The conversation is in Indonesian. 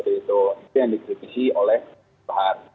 itu yang dikritisi oleh bahar